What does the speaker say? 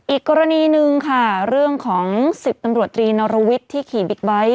อีกกรณีหนึ่งค่ะเรื่องของ๑๐ตำรวจรีนรวิทย์ที่ขี่บิ๊กไบท์